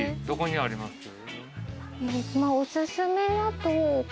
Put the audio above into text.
どこにあります？